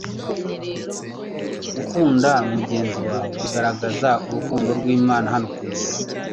Gukunda mugenzi wawe bigaragaza urukundo rw'Imana hano ku isi.